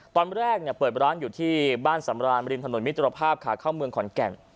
ตอนแรกเปิดร้านอยู่ที่บ้านสำรานริมถนนมิตรภาพขาเข้าเมืองขอนแก่น